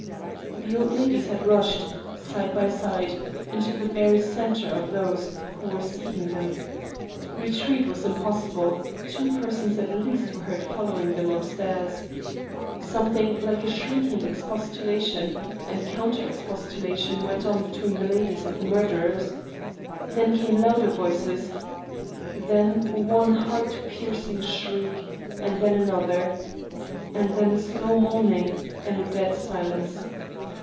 The old ladies had rushed, side by side, into the very center of those who were seeking them. Retreat was impossible ; two persons at least were heard fol lowing them upstairs. Something like a shrieking expostu lation and counter expostulation went on between the ladies and the murderers ; then came louder voices — then one heart piercing shriek, and then another — ^and then a slow moaning and a dead silence.